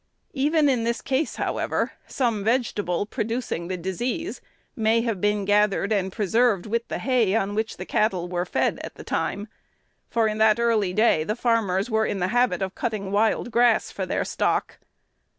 Even in this case, however, some vegetable producing the disease may have been gathered and preserved with the hay on which the cattle were fed at the time; for in that early day the farmers were in the habit of cutting wild grass for their stock.